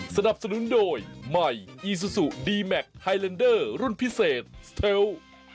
สนับสนุนโดยใหม่อีซูซูดีแมคไฮเลนเดอร์รุ่นพิเศษสเทล